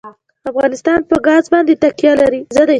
افغانستان په ګاز باندې تکیه لري.